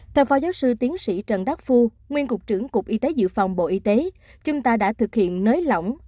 theo phó giáo sư tiến sĩ trần đắc phu nguyên cục trưởng cục y tế dự phòng bộ y tế chúng ta đã thực hiện nới lỏng